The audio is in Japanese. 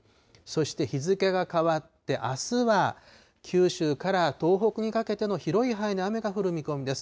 そして日付が変わってあすは、九州から東北にかけての広い範囲の雨が降る見込みです。